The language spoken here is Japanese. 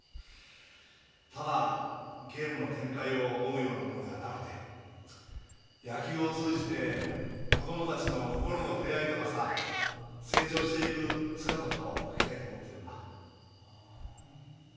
ただゲームの展開を追うようなものではなくて野球を通じて子どもたちの心の触れ合いとかさ成長していく姿とかを描きたいと思ってるんだ。